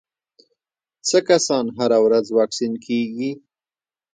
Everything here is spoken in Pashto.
څه کسان هره ورځ واکسین کېږي؟